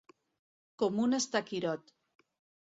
Com un estaquirot.